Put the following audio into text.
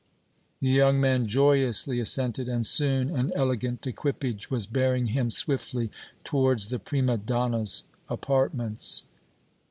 The young man joyously assented, and soon an elegant equipage was bearing him swiftly towards the prima donna's apartments.